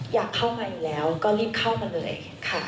อยากเข้ามาอยู่แล้วก็รีบเข้ามาเลยค่ะ